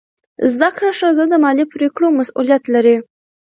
زده کړه ښځه د مالي پریکړو مسؤلیت لري.